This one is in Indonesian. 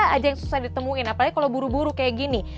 aja yang susah ditemuin apalagi kalau buru buru kayak gini